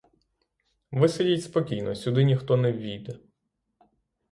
Ви сидіть спокійно, сюди ніхто не ввійде.